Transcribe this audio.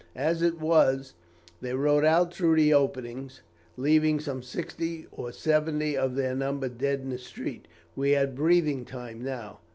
As it was, they rode out through the openings, leaving some sixty or seventy of their number dead in the street. We had breathing time now.